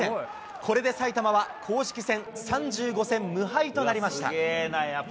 これで埼玉は公式戦３５戦無敗となりました。